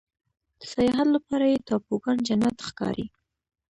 د سیاحت لپاره یې ټاپوګان جنت ښکاري.